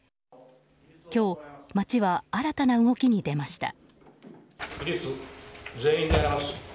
今日、町は新たな動きに出ました。